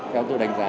theo tôi đánh giá